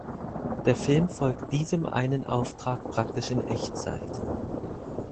Der Film folgt diesem einen Auftrag praktisch in Echtzeit.